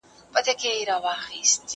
زه هره ورځ ميوې خورم؟